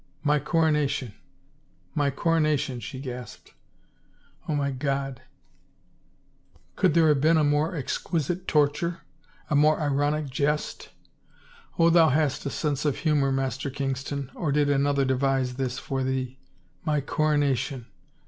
" My coronation — my coronation," she gasped, " Oh, my God, could there have been a more 329 THE FAVOR OF KINGS exquisite torture — a more ironic jestl Oh, thou hast a sense of humor, Master Kingston, or did another devise this for thee? My coronation!"